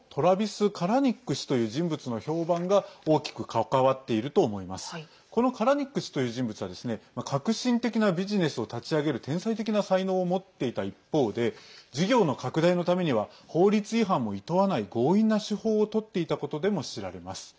このカラニック氏という人物は革新的なビジネスを立ち上げる天才的な才能を持っていた一方で事業の拡大のためには法律違反もいとわない強引な手法をとっていたことでも知られます。